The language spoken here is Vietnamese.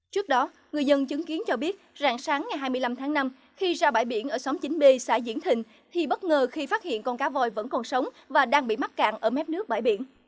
trước đó người dân chứng kiến cho biết rạng sáng ngày hai mươi năm tháng năm khi ra bãi biển ở xóm chín b xã diễn thịnh thì bất ngờ khi phát hiện con cá voi vẫn còn sống và đang bị mắc cạn ở mép nước bãi biển